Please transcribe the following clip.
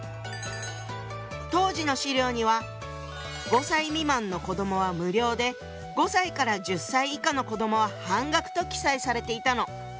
当時の資料には５歳未満の子どもは無料で５歳から１０歳以下の子どもは半額と記載されていたの。